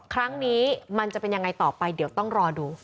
ครั้งนี้มันจะเป็นยังไงต่อไปเดี๋ยวต้องรอดู